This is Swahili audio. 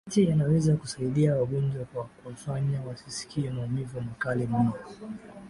chache yanaweza kusaidia wagonjwa kwa kuwafanya wasisikie maumivu makali mno